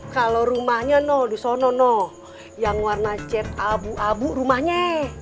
kalau rumahnya di sana yang warna cet abu abu rumahnya